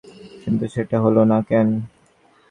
কিন্তু সেটা হলো না কেন?